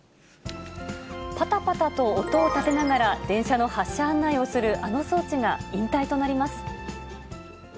パタパタと音を立てながら、電車の発車案内をするあの装置が引退となります。